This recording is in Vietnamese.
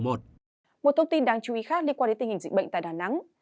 một thông tin đáng chú ý khác liên quan đến tình hình dịch bệnh tại đà nẵng